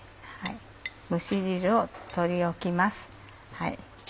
蒸し汁を取り置きます。